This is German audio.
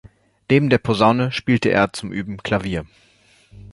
Neben der Posaune spielte er zum Üben Klavier.